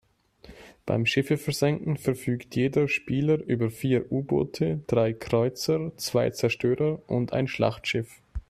Beim Schiffe versenken verfügt jeder Spieler über vier U-Boote, drei Kreuzer, zwei Zerstörer und ein Schlachtschiff.